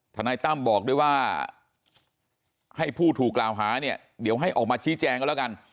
นายตั้มบอกด้วยว่าให้ผู้ถูกกล่าวหาเนี่ยเดี๋ยวให้ออกมาชี้แจงกันแล้วกัน